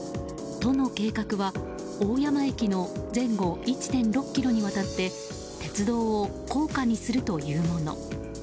都の計画は、大山駅の前後１．６ｋｍにわたって鉄道を高架にするというもの。